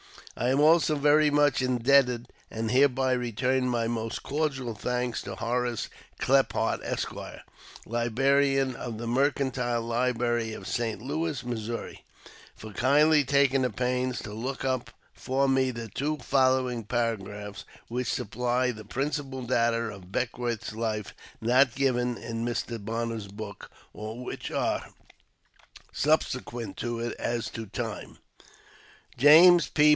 I am also very much indebted, and hereby return my most cordial thanks, to Horace Klephart, Esq., Librarian of the Mercantile Library of Saint Louis, Missouri, for kindly taking the pains to look up for me the two following paragraphs which supply the principal data of Beckwourth's life not given in Mr. Bonner's book, or which are subse quent to it as to time. NEW ENGLISH EDITION. 7 *' James P.